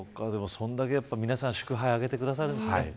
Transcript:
それだけ皆さん祝杯をあげてくださるんですね。